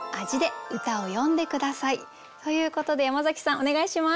ということで山崎さんお願いします。